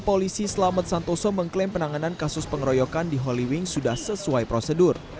polisi selamat santoso mengklaim penanganan kasus pengeroyokan di holy wing sudah sesuai prosedur